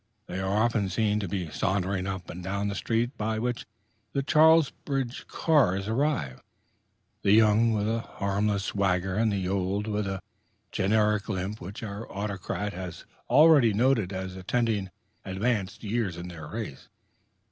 They are often to be seen sauntering up and down the street by which the Charlesbridge cars arrive, the young with a harmless swagger, and the old with the generic limp which our Autocrat has already noted as attending advanced years in their race....